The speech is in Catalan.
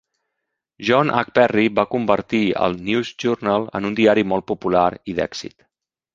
John H. Perry va convertir el "News Journal" en un diari molt popular i d'èxit.